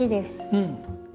うん。